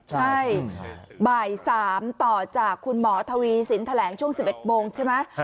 ใช่บ่าย๓ต่อจากคุณหมอทวีสินแถลงช่วง๑๑โมงใช่ไหม